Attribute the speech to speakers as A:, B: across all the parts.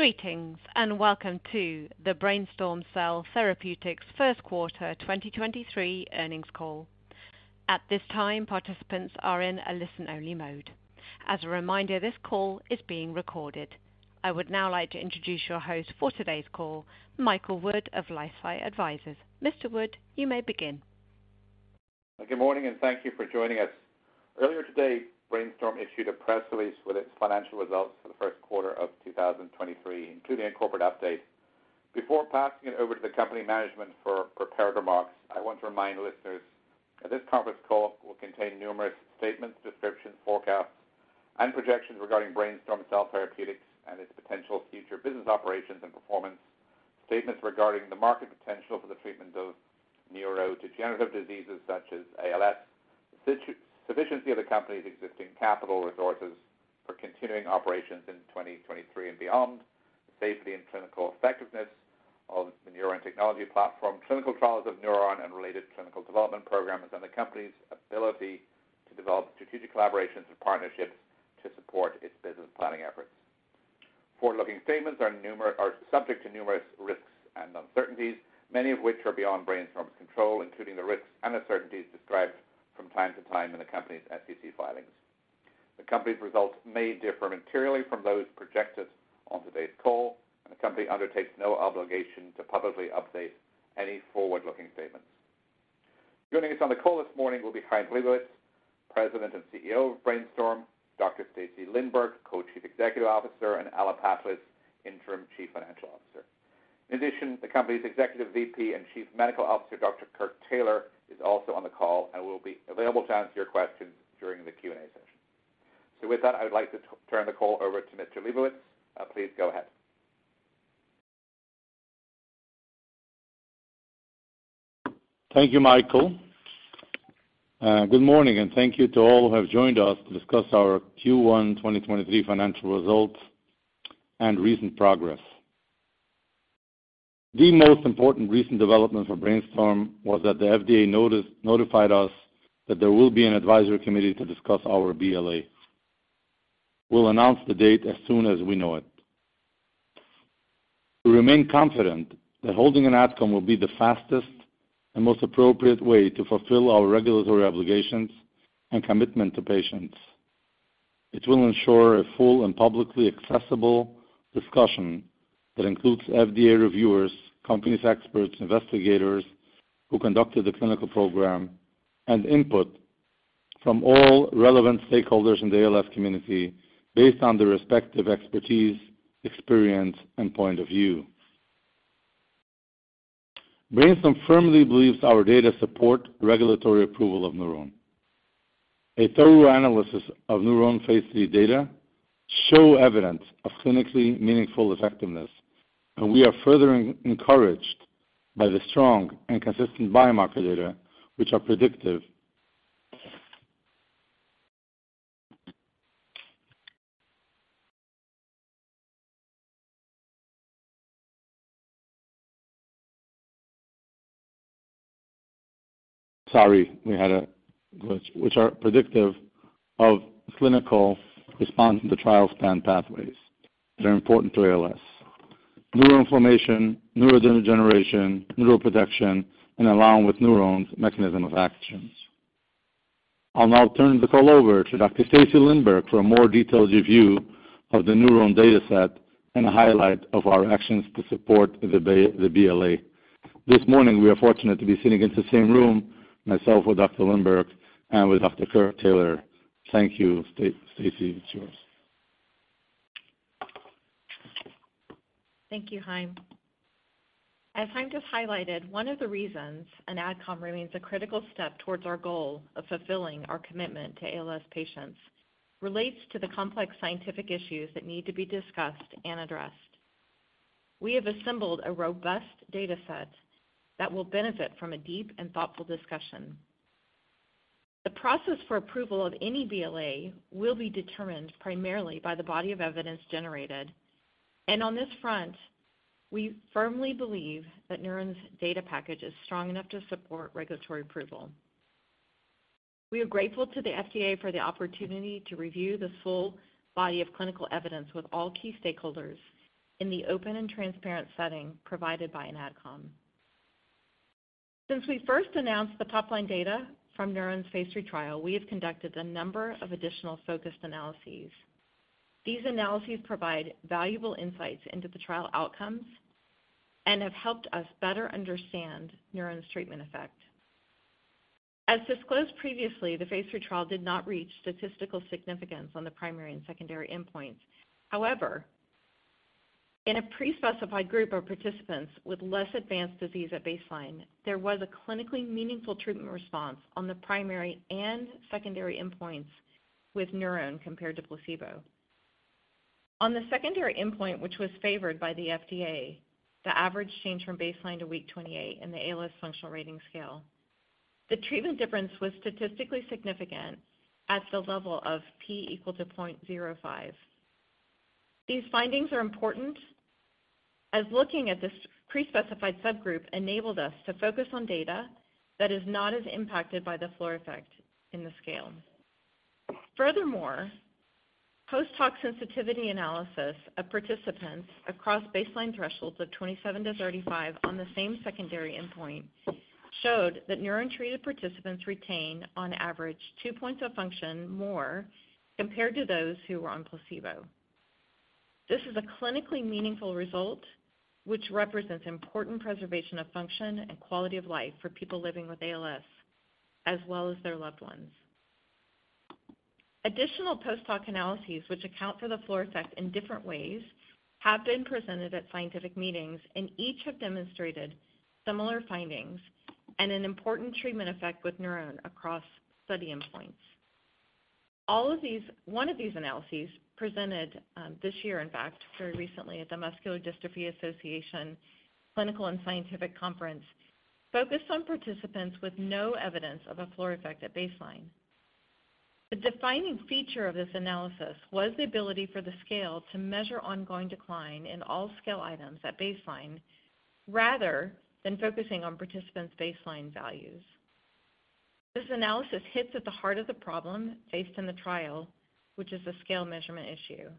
A: Greetings, welcome to the Brainstorm Cell Therapeutics first quarter 2023 earnings call. At this time, participants are in a listen-only mode. As a reminder, this call is being recorded. I would now like to introduce your host for today's call, Michael Wood of LifeSci Advisors. Mr. Wood, you may begin.
B: Good morning. Thank you for joining us. Earlier today, Brainstorm issued a press release with its financial results for the first quarter of 2023, including a corporate update. Before passing it over to the company management for prepared remarks, I want to remind listeners that this conference call will contain numerous statements, descriptions, forecasts, and projections regarding Brainstorm Cell Therapeutics and its potential future business operations and performance. Statements regarding the market potential for the treatment of neurodegenerative diseases such as ALS, sufficiency of the company's existing capital resources for continuing operations in 2023 and beyond, the safety and clinical effectiveness of the NurOwn technology platform, clinical trials of NurOwn and related clinical development programs, and the company's ability to develop strategic collaborations and partnerships to support its business planning efforts. Forward-looking statements are subject to numerous risks and uncertainties, many of which are beyond Brainstorm's control, including the risks and uncertainties described from time to time in the company's SEC filings. The company's results may differ materially from those projected on today's call, and the company undertakes no obligation to publicly update any forward-looking statements. Joining us on the call this morning will be Chaim Lebovits, President and CEO of Brainstorm, Dr. Stacy Lindborg, Co-Chief Executive Officer, and Alla Patlis, Interim Chief Financial Officer. In addition, the company's Executive VP and Chief Medical Officer, Dr. Kirk Taylor, is also on the call and will be available to answer your questions during the Q&A session. With that, I would like to turn the call over to Mr. Lebovits. Please go ahead.
C: Thank you, Michael. Good morning, and thank you to all who have joined us to discuss our Q1 2023 financial results and recent progress. The most important recent development for Brainstorm was that the FDA notified us that there will be an advisory committee to discuss our BLA. We'll announce the date as soon as we know it. We remain confident that holding an ADCOM will be the fastest and most appropriate way to fulfill our regulatory obligations and commitment to patients. It will ensure a full and publicly accessible discussion that includes FDA reviewers, company's experts, investigators who conducted the clinical program, and input from all relevant stakeholders in the ALS community based on their respective expertise, experience, and point of view. Brainstorm firmly believes our data support regulatory approval of NurOwn. A thorough analysis of NurOwn phase III data show evidence of clinically meaningful effectiveness, and we are further encouraged by the strong and consistent biomarker data which are predictive. Sorry, we had a glitch. Which are predictive of clinical response in the trial span pathways that are important to ALS. Neural inflammation, neurodegeneration, neural protection, and along with neurons, mechanism of actions. I'll now turn the call over to Dr. Stacy Lindborg for a more detailed review of the NurOwn data set and a highlight of our actions to support the BLA. This morning, we are fortunate to be sitting in the same room, myself with Dr. Lindborg and with Dr. Kirk Taylor. Thank you. Stacy, it's yours.
D: Thank you, Chaim. As Chaim just highlighted, one of the reasons an ADCOM remains a critical step towards our goal of fulfilling our commitment to ALS patients relates to the complex scientific issues that need to be discussed and addressed. We have assembled a robust data set that will benefit from a deep and thoughtful discussion. The process for approval of any BLA will be determined primarily by the body of evidence generated. On this front, we firmly believe that NurOwn's data package is strong enough to support regulatory approval. We are grateful to the FDA for the opportunity to review this full body of clinical evidence with all key stakeholders in the open and transparent setting provided by an ADCOM We first announced the top-line data from NurOwn's phase III trial, we have conducted a number of additional focused analyses. These analyses provide valuable insights into the trial outcomes and have helped us better understand NurOwn's treatment effect. As disclosed previously, the phase III trial did not reach statistical significance on the primary and secondary endpoints. However, in a pre-specified group of participants with less advanced disease at baseline, there was a clinically meaningful treatment response on the primary and secondary endpoints with NurOwn compared to placebo. On the secondary endpoint, which was favored by the FDA, the average change from baseline to week 28 in the ALS Functional Rating Scale, the treatment difference was statistically significant at the level of P equal to 0.05. These findings are important as looking at this pre-specified subgroup enabled us to focus on data that is not as impacted by the floor effect in the scale. Post-hoc sensitivity analysis of participants across baseline thresholds of 27-35 on the same secondary endpoint showed that NurOwn-treated participants retained on average two points of function more compared to those who were on placebo. This is a clinically meaningful result, which represents important preservation of function and quality of life for people living with ALS, as well as their loved ones. Additional post-hoc analyses which account for the floor effect in different ways have been presented at scientific meetings. Each have demonstrated similar findings and an important treatment effect with NurOwn across study endpoints. One of these analyses, presented this year, in fact, very recently at the Muscular Dystrophy Association Clinical & Scientific Conference, focused on participants with no evidence of a floor effect at baseline. The defining feature of this analysis was the ability for the scale to measure ongoing decline in all scale items at baseline, rather than focusing on participants' baseline values. This analysis hits at the heart of the problem faced in the trial, which is a scale measurement issue.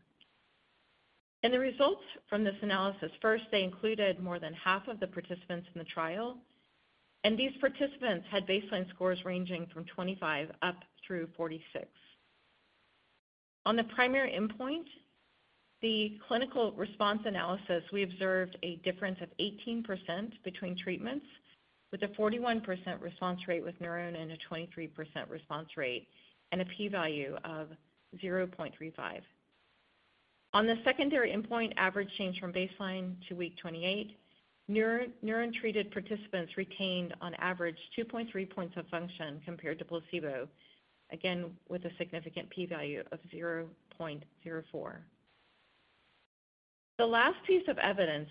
D: The results from this analysis, first, they included more than half of the participants in the trial, and these participants had baseline scores ranging from 25 up through 46. On the primary endpoint, the clinical response analysis, we observed a difference of 18% between treatments, with a 41% response rate with NurOwn and a 23% response rate, and a P value of 0.35. On the secondary endpoint average change from baseline to week 28, NurOwn-treated participants retained on average 2.3 points of function compared to placebo, again, with a significant P value of 0.04. The last piece of evidence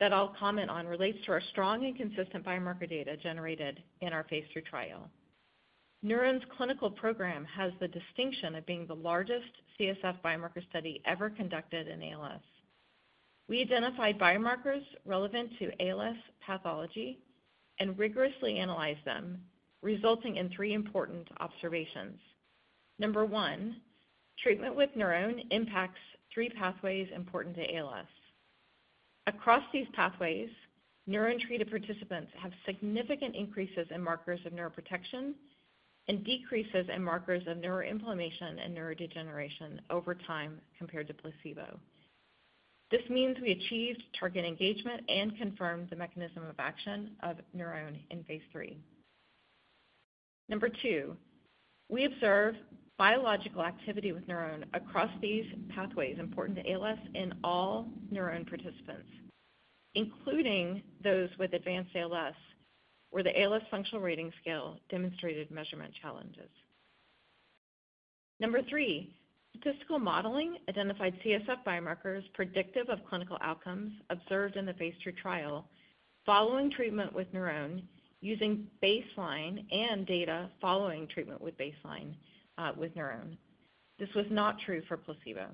D: that I'll comment on relates to our strong and consistent biomarker data generated in our phase III trial. NurOwn's clinical program has the distinction of being the largest CSF biomarker study ever conducted in ALS. We identified biomarkers relevant to ALS pathology and rigorously analyzed them, resulting in three important observations. Number one, treatment with NurOwn impacts three pathways important to ALS. Across these pathways, NurOwn-treated participants have significant increases in markers of neuroprotection and decreases in markers of neuroinflammation and neurodegeneration over time compared to placebo. This means we achieved target engagement and confirmed the mechanism of action of NurOwn in phase III. Number two, we observe biological activity with NurOwn across these pathways important to ALS in all NurOwn participants, including those with advanced ALS, where the ALS Functional Rating Scale demonstrated measurement challenges. Number three, statistical modeling identified CSF biomarkers predictive of clinical outcomes observed in the phase III trial following treatment with NurOwn using baseline and data following treatment with baseline with NurOwn. This was not true for placebo.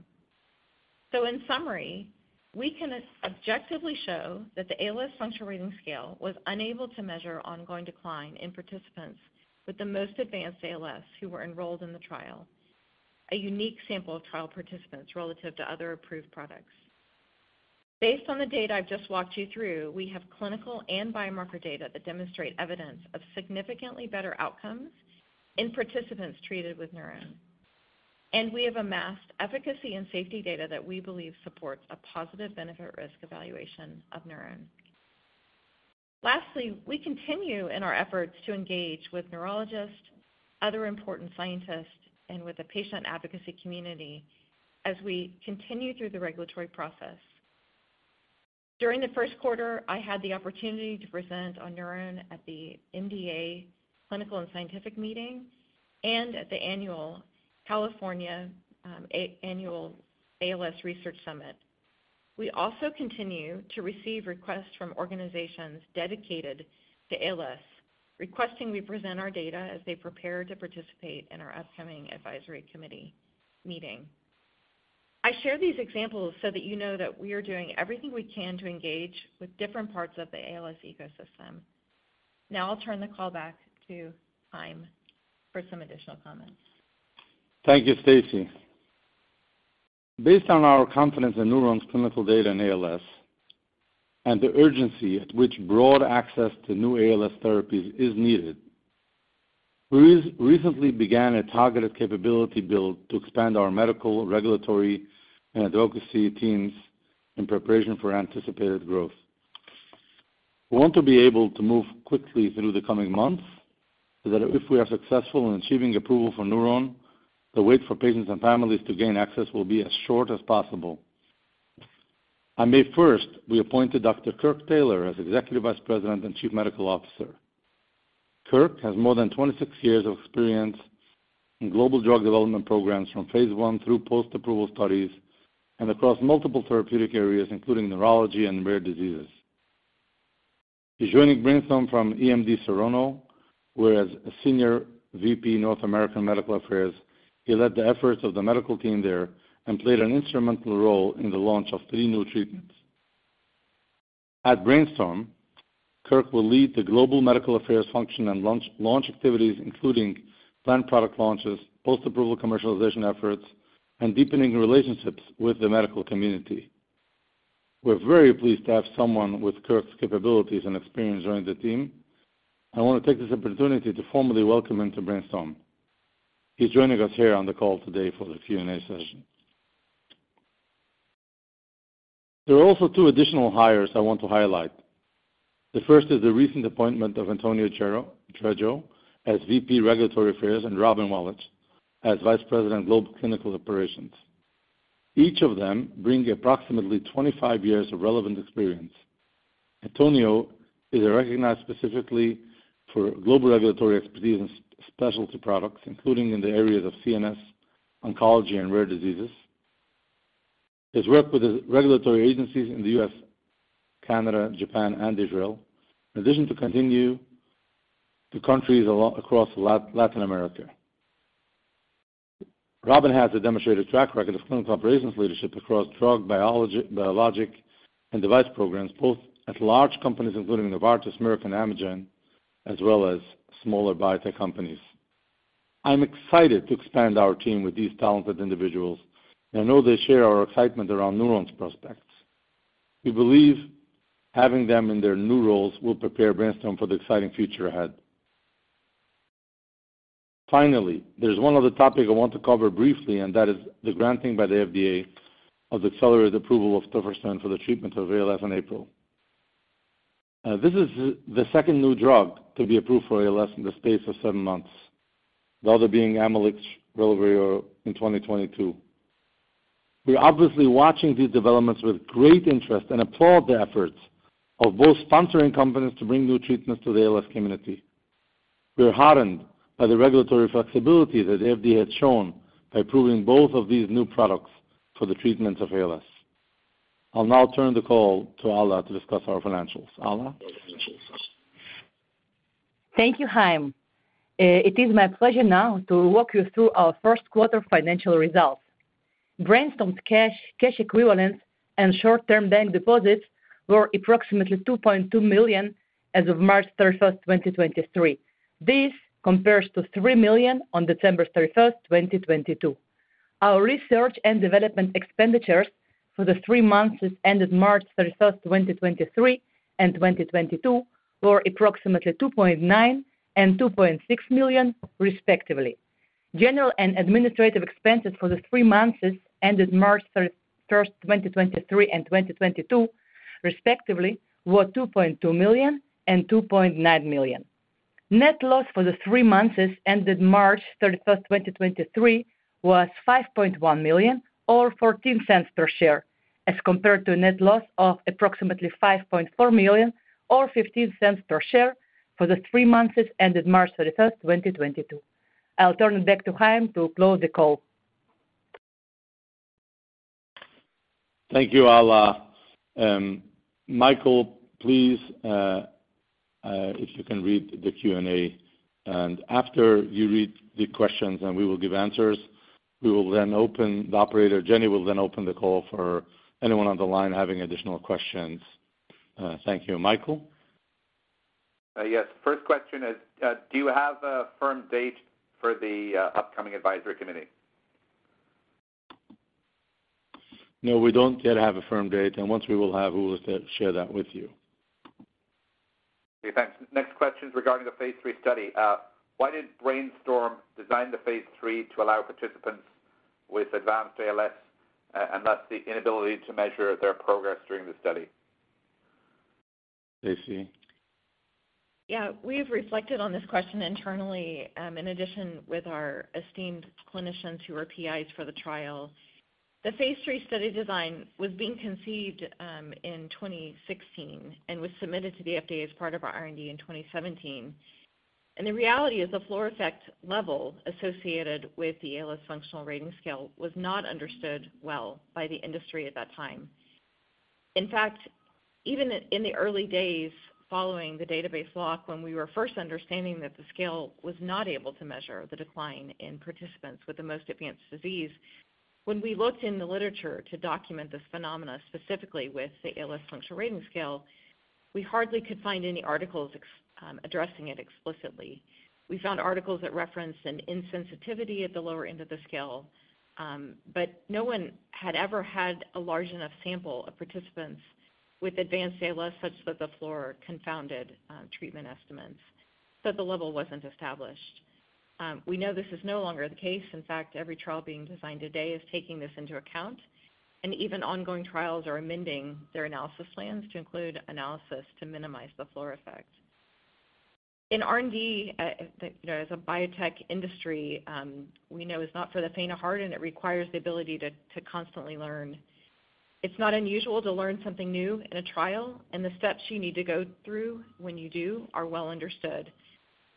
D: In summary, we can objectively show that the ALS Functional Rating Scale was unable to measure ongoing decline in participants with the most advanced ALS who were enrolled in the trial, a unique sample of trial participants relative to other approved products. Based on the data I've just walked you through, we have clinical and biomarker data that demonstrate evidence of significantly better outcomes in participants treated with NurOwn. We have amassed efficacy and safety data that we believe supports a positive benefit-risk evaluation of NurOwn. Lastly, we continue in our efforts to engage with neurologists, other important scientists, and with the patient advocacy community as we continue through the regulatory process. During the first quarter, I had the opportunity to present on NurOwn at the MDA Clinical & Scientific Conference and at the annual California ALS Research Summit. We also continue to receive requests from organizations dedicated to ALS, requesting we present our data as they prepare to participate in our upcoming Advisory Committee Meeting. I share these examples so that you know that we are doing everything we can to engage with different parts of the ALS ecosystem. I'll turn the call back to Chaim for some additional comments.
C: Thank you, Stacy. Based on our confidence in NurOwn's clinical data in ALS and the urgency at which broad access to new ALS therapies is needed, we recently began a targeted capability build to expand our medical, regulatory, and advocacy teams in preparation for anticipated growth. We want to be able to move quickly through the coming months, that if we are successful in achieving approval for NurOwn, the wait for patients and families to gain access will be as short as possible. On May 1st, we appointed Dr. Kirk Taylor as Executive Vice President and Chief Medical Officer. Kirk has more than 26 years of experience in global drug development programs from phase I through post-approval studies and across multiple therapeutic areas, including neurology and rare diseases. He's joining Brainstorm from EMD Serono, where as Senior VP North American Medical Affairs, he led the efforts of the medical team there and played an instrumental role in the launch of three new treatments. At Brainstorm, Kirk will lead the global medical affairs function and launch activities, including planned product launches, post-approval commercialization efforts, and deepening relationships with the medical community. We're very pleased to have someone with Kirk's capabilities and experience joining the team. I wanna take this opportunity to formally welcome him to Brainstorm. He's joining us here on the call today for the Q&A session. There are also two additional hires I want to highlight. The first is the recent appointment of Antonio Trejo as VP, Regulatory Affairs, and Robin Wallace as Vice President, Global Clinical Operations. Each of them bring approximately 25 years of relevant experience. Antonio is recognized specifically for global regulatory expertise in specialty products, including in the areas of CNS, oncology, and rare diseases. He's worked with the regulatory agencies in the U.S., Canada, Japan, and Israel, in addition to countries across Latin America. Robin has a demonstrated track record of clinical operations leadership across drug, biologic, and device programs, both at large companies including Novartis, Merck, and Amgen, as well as smaller biotech companies. I'm excited to expand our team with these talented individuals, and I know they share our excitement around NurOwn's prospects. We believe having them in their new roles will prepare Brainstorm for the exciting future ahead. There's one other topic I want to cover briefly, and that is the granting by the FDA of the accelerated approval of tofersen for the treatment of ALS Functiong Rating. This is the second new drug to be approved for ALS in the space of seven months. The other being Amylyx, Relyvrio in 2022. We're obviously watching these developments with great interest and applaud the efforts of both sponsoring companies to bring new treatments to the ALS community. We are heartened by the regulatory flexibility that FDA has shown by approving both of these new products for the treatments of ALS. I'll now turn the call to Alla to discuss our financials. Alla?
E: Thank you, Chaim. It is my pleasure now to walk you through our first quarter financial results. Brainstorm's cash equivalents, and short-term bank deposits were approximately $2.2 million as of March 31, 2023. This compares to $3 million on December 31, 2022. Our research and development expenditures for the three months that ended March 31, 2023, and 2022 were approximately $2.9 million and $2.6 million, respectively. General and administrative expenses for the three months ended March 31, 2023, and 2022, respectively, were $2.2 million and $2.9 million. Net loss for the three months ended March 31st, 2023, was $5.1 million or $0.14 per share, as compared to a net loss of approximately $5.4 million or $0.15 per share for the three months ended March 31st, 2022. I'll turn it back to Chaim to close the call.
C: Thank you, Alla. Michael, please, if you can read the Q&A. After you read the questions and we will give answers, the operator, Jenny, will then open the call for anyone on the line having additional questions. Thank you. Michael?
B: Yes. First question is, do you have a firm date for the upcoming advisory committee?
C: No, we don't yet have a firm date. Once we will have, we will share that with you.
B: Okay, thanks. Next question is regarding the phase III study. Why did Brainstorm design the phase III to allow participants with advanced ALS, and thus the inability to measure their progress during the study?
C: Stacy?
D: Yeah. We've reflected on this question internally, in addition with our esteemed clinicians who are PIs for the trial. The phase III study design was being conceived in 2016 and was submitted to the FDA as part of our R&D in 2017. The reality is the floor effect level associated with the ALS Functional Rating Scale-Revised was not understood well by the industry at that time. In fact, even in the early days following the database lock when we were first understanding that the scale was not able to measure the decline in participants with the most advanced disease, when we looked in the literature to document this phenomena, specifically with the ALS Functional Rating Scale-Revised, we hardly could find any articles addressing it explicitly. We found articles that referenced an insensitivity at the lower end of the scale, but no one had ever had a large enough sample of participants with advanced ALS such that the floor confounded treatment estimates. The level wasn't established. We know this is no longer the case. In fact, every trial being designed today is taking this into account, and even ongoing trials are amending their analysis plans to include analysis to minimize the floor effect. In R&D, you know, as a biotech industry, we know it's not for the faint of heart, and it requires the ability to constantly learn. It's not unusual to learn something new in a trial, and the steps you need to go through when you do are well understood.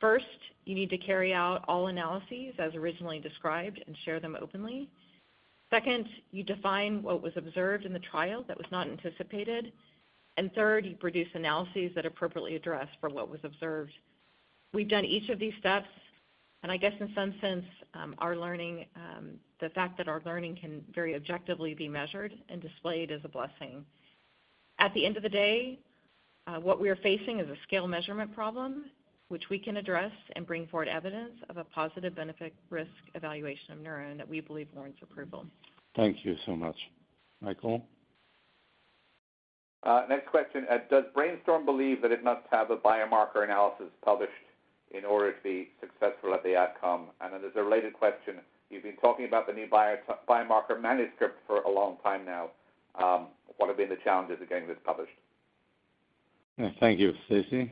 D: First, you need to carry out all analyses as originally described and share them openly. Second, you define what was observed in the trial that was not anticipated. Third, you produce analyses that appropriately address for what was observed. We've done each of these steps. I guess in some sense, our learning, the fact that our learning can very objectively be measured and displayed is a blessing. At the end of the day, what we are facing is a scale measurement problem, which we can address and bring forward evidence of a positive benefit risk evaluation of NurOwn that we believe warrants approval.
C: Thank you so much. Michael.
B: Next question. Does Brainstorm believe that it must have a biomarker analysis published in order to be successful at the outcome? There's a related question. You've been talking about the new biomarker manuscript for a long time now. What have been the challenges of getting this published?
C: Thank you. Stacy.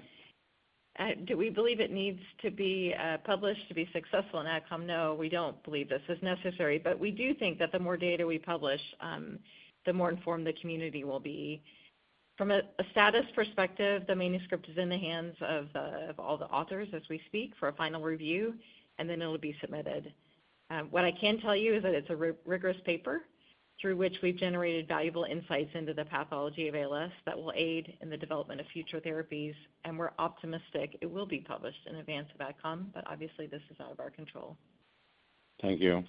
D: Do we believe it needs to be published to be successful in outcome? We don't believe this is necessary, but we do think that the more data we publish, the more informed the community will be. From a status perspective, the manuscript is in the hands of all the authors as we speak for a final review, it'll be submitted. What I can tell you is that it's a rigorous paper through which we've generated valuable insights into the pathology of ALS that will aid in the development of future therapies, we're optimistic it will be published in advance of outcome. Obviously, this is out of our control.
C: Thank you.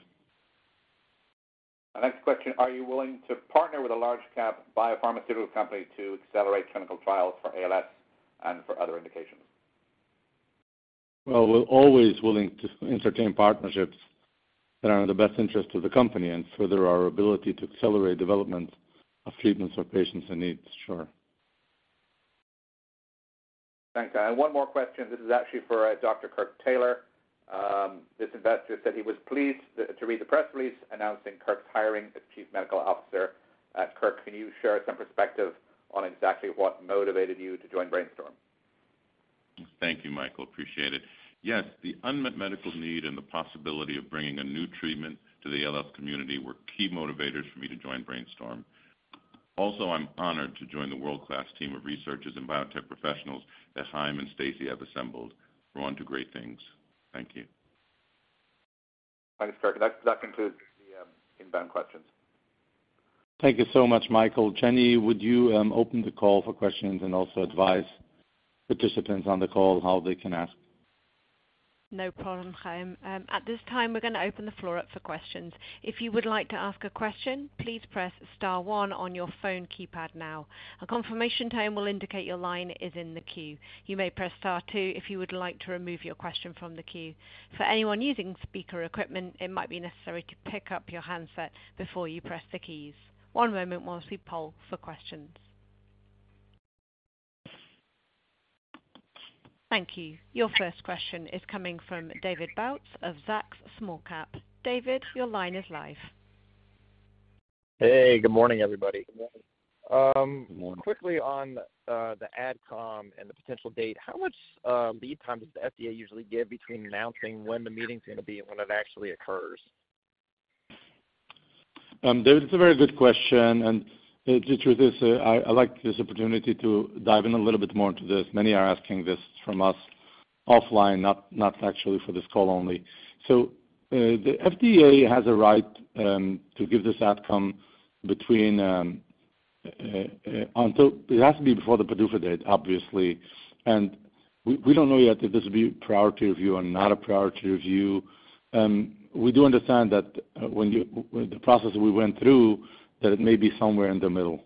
B: Next question. Are you willing to partner with a large cap biopharmaceutical company to accelerate clinical trials for ALS and for other indications?
C: Well, we're always willing to entertain partnerships that are in the best interest of the company and further our ability to accelerate development of treatments for patients in needs. Sure.
B: Thanks. One more question. This is actually for Dr. Kirk Taylor. This investor said he was pleased to read the press release announcing Kirk's hiring as chief medical officer. Kirk, can you share some perspective on exactly what motivated you to join Brainstorm?
F: Thank you, Michael. Appreciate it. Yes, the unmet medical need and the possibility of bringing a new treatment to the ALS community were key motivators for me to join Brainstorm. I'm honored to join the world-class team of researchers and biotech professionals that Chaim and Stacy have assembled. We're onto great things. Thank you.
B: Thanks, Kirk. That concludes the inbound questions.
C: Thank you so much, Michael. Jenny, would you open the call for questions and also advise participants on the call how they can ask?
A: No problem, Chaim. At this time, we're gonna open the floor up for questions. If you would like to ask a question, please press star one on your phone keypad now. A confirmation tone will indicate your line is in the queue. You may press star two if you would like to remove your question from the queue. For anyone using speaker equipment, it might be necessary to pick up your handset before you press the keys. One moment whilst we poll for questions. Thank you. Your first question is coming from David Bautz of Zacks Small-Cap. David, your line is live.
G: Hey, good morning, everybody.
C: Good morning.
G: Um.
F: Good morning.
G: Quickly on, the ADCOM and the potential date, how much lead time does the FDA usually give between announcing when the meeting's gonna be and when it actually occurs?
C: David, it's a very good question. The truth is, I like this opportunity to dive in a little bit more into this. Many are asking this from us offline, not actually for this call only. The FDA has a right to give this outcome until it has to be before the PDUFA date, obviously. We don't know yet if this will be priority review or not a priority review. We do understand that the process we went through, that it may be somewhere in the middle.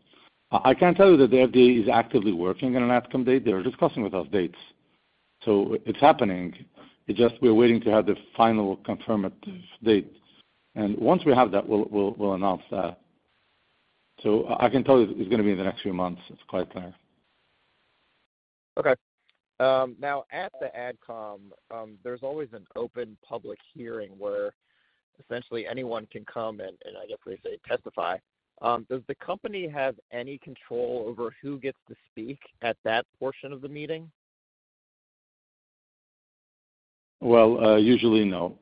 C: I can tell you that the FDA is actively working on an outcome date. They're discussing with us dates. It's happening. It's just we're waiting to have the final confirmative date. Once we have that, we'll announce that. I can tell you it's gonna be in the next few months. It's quite clear.
G: Now at the ADCOM, there's always an open public hearing where essentially anyone can come and I guess we say testify. Does the company have any control over who gets to speak at that portion of the meeting?
C: Well, usually, no.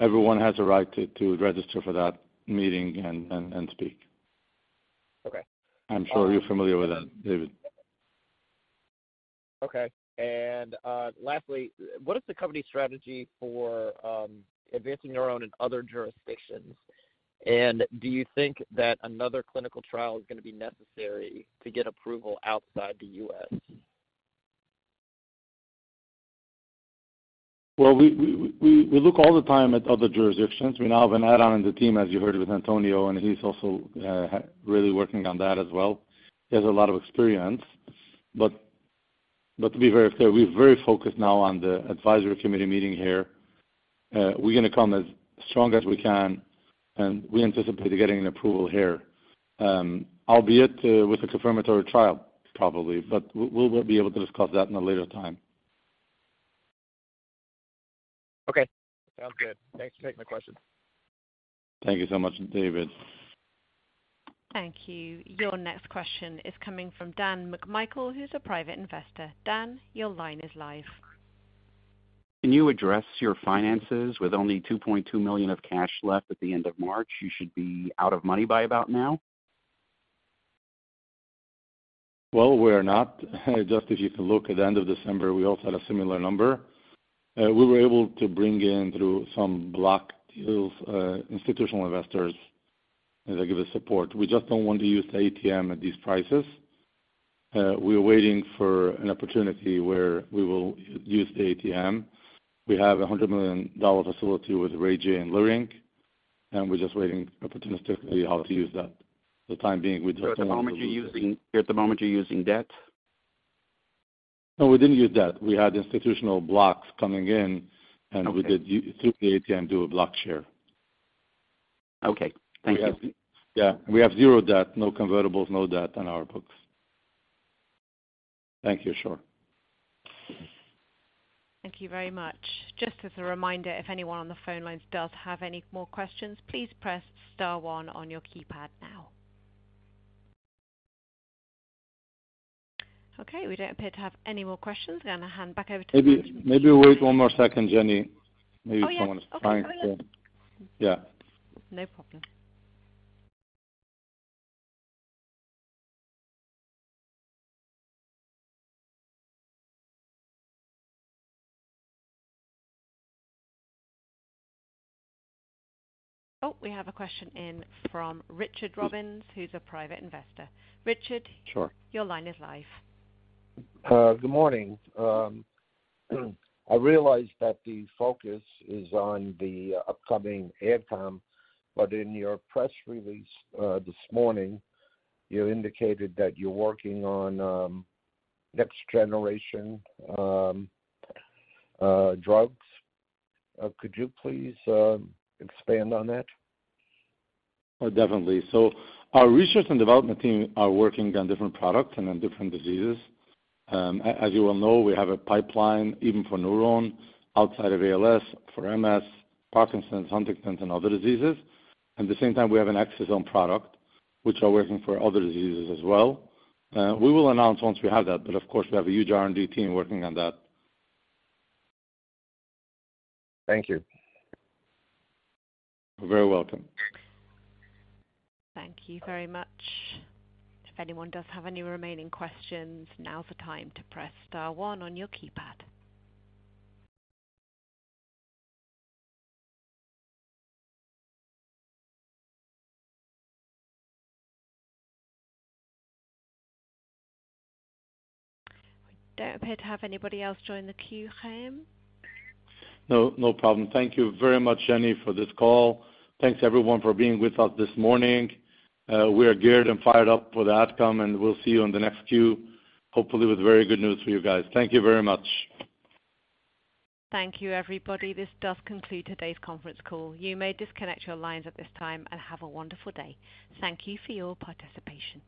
C: Everyone has a right to register for that meeting and speak.
G: Okay.
C: I'm sure you're familiar with that, David.
G: Okay. Lastly, what is the company strategy for advancing NurOwn in other jurisdictions? Do you think that another clinical trial is gonna be necessary to get approval outside the U.S.?
C: Well, we look all the time at other jurisdictions. We now have an add-on in the team, as you heard, with Antonio, and he's also really working on that as well. He has a lot of experience. To be very clear, we're very focused now on the advisory committee meeting here. We're gonna come as strong as we can, and we anticipate getting an approval here, albeit, with a confirmatory trial, probably. We'll be able to discuss that in a later time.
G: Okay. Sounds good. Thanks for taking my question.
C: Thank you so much, David.
A: Thank you. Your next question is coming from Dan McMichael, who's a private investor. Dan, your line is live.
H: Can you address your finances? With only $2.2 million of cash left at the end of March, you should be out of money by about now.
C: Well, we're not. Just as you can look at the end of December, we also had a similar number. We were able to bring in through some block deals, institutional investors that give us support. We just don't want to use the ATM at these prices. We are waiting for an opportunity where we will use the ATM. We have a $100 million facility with RayJay and Leerink, and we're just waiting opportunistically how to use that. For the time being, we just-
H: At the moment, you're using debt?
C: No, we didn't use debt. We had institutional blocks coming in-
H: Okay.
C: We did through the ATM, do a block share.
H: Okay. Thank you.
C: Yeah. We have zero debt, no convertibles, no debt on our books. Thank you, sure.
A: Thank you very much. Just as a reminder, if anyone on the phone lines does have any more questions, please press star one on your keypad now. Okay, we don't appear to have any more questions. I'm gonna hand back over to.
C: Maybe wait one more second, Jenny.
A: Oh, yeah.
C: Maybe someone is trying to...
A: Okay, one minute.
C: Yeah.
A: No problem. Oh, we have a question in from Richard Robbins, who's a private investor. Sure. Your line is live.
I: Good morning. I realize that the focus is on the upcoming outcome. In your press release, this morning, you indicated that you're working on next generation drugs. Could you please expand on that?
C: Definitely. Our research and development team are working on different products and on different diseases. As you well know, we have a pipeline even for NurOwn outside of ALS, for MS, Parkinson's, Huntington, and other diseases. At the same time, we have an exosome product which are working for other diseases as well. We will announce once we have that, of course we have a huge R&D team working on that.
I: Thank you.
C: You're very welcome.
A: Thank you very much. If anyone does have any remaining questions, now's the time to press star one on your keypad. We don't appear to have anybody else join the queue, Chaim.
C: No, no problem. Thank you very much, Jenny, for this call. Thanks everyone for being with us this morning. We are geared and fired up for the outcome, and we'll see you on the next queue, hopefully with very good news for you guys. Thank you very much.
A: Thank you, everybody. This does conclude today's conference call. You may disconnect your lines at this time and have a wonderful day. Thank you for your participation.